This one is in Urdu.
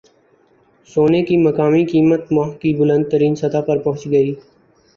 سونے کی مقامی قیمت ماہ کی بلند ترین سطح پر پہنچ گئی